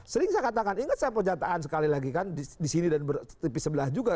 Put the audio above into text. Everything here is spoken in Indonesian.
sering saya katakan ingat saya pernyataan sekali lagi kan di sini dan tepi sebelah juga